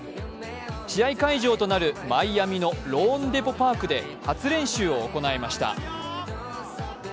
試合会場となるマイアミのローンデポ・パークで初練習を行いました。